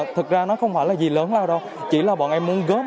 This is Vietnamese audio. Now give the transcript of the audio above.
thực ra nó không phải là gì lớn nào đâu chỉ là bọn em muốn góp